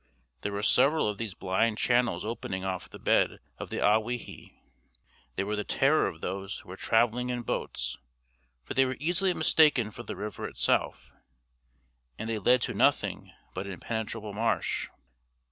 There were several of these blind channels opening off the bed of the Ahwewee. They were the terror of those who were travelling in boats, for they were easily mistaken for the river itself, and they led to nothing but impenetrable marsh.